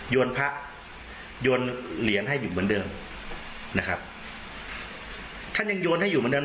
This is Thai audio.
พระโยนเหรียญให้อยู่เหมือนเดิมนะครับท่านยังโยนให้อยู่เหมือนเดิม